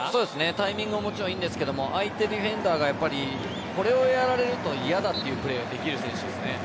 タイミングももちろんいいですが相手ディフェンダーがこれをやられると嫌だというプレーをできる選手ですね。